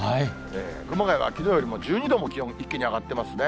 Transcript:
熊谷がきのうよりも１２度も気温、一気に上がっていますね。